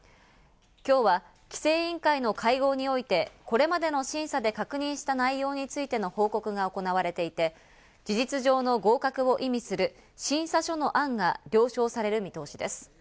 今日は規制委員会の会合において、これまでの審査で確認した内容についての報告が行われていて、事実上の合格を意味する審査書の案が了承される見通しです。